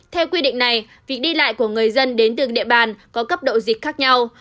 theo quy định này việc đi lại của người dân đến từng địa bàn có cấp độ dịch khác nhau